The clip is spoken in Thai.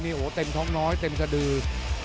โหเต็มท้องน้อยเต็มสดือ